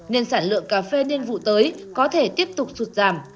nên sản lượng cà phê niên vụ tới có thể tiếp tục sụt giảm